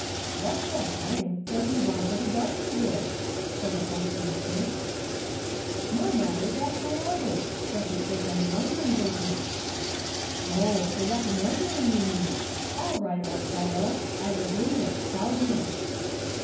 "What the does he want of a darkie wig?" asked the Postmaster. "No matter, dat's my orders; guess it's for some 'noiterin' business." "Oh, for reconnoitering you mean; all right old fellow, I will bring it, tell him."